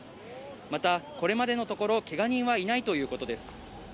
またこれまでのところけが人はいないということです。